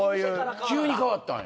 急に変わったんや？